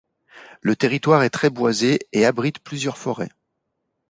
Le territoire est très boisé et abrite plusieurs forêts.